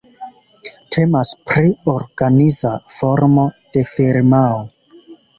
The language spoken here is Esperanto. Temas pri organiza formo de firmao.